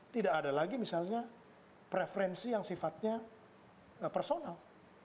tidak ada lagi misalnya preferensi yang sifatnya personal